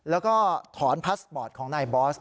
แล้วก็ถอนพาสปอร์ตของนายบอส